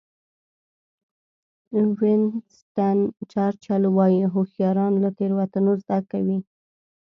وینسټن چرچل وایي هوښیاران له تېروتنو زده کوي.